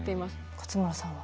勝村さんは？